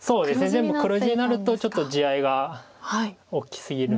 全部黒地になるとちょっと地合いが大きすぎるので。